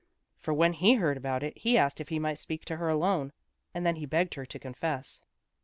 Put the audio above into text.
For when he heard about it, he asked if he might speak to her alone, and then he begged her to confess.